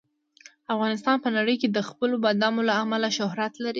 افغانستان په نړۍ کې د خپلو بادامو له امله شهرت لري.